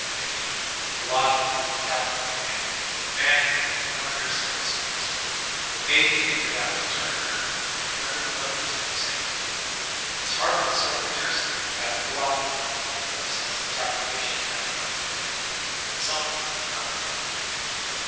Indeed, the logical, calculable man^ the man who under certain circumstances may be figured out to turn murderer and under others saint, is hardly so interesting as the illogical being who upsets the cakula* tton by becoming neither, but something not at all pre dictable.